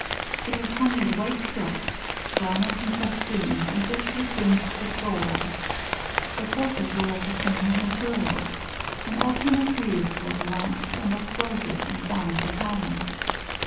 It was hung with white silk, drawn up in festoons, and richly fringed with gold. The sofas were of the same materials, and alternate wreaths of lamps and of roses entwined the columns.